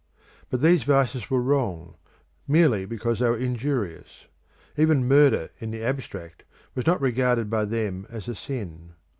But these vices were wrong, merely because they were injurious; even murder in the abstract was not regarded by them as a sin.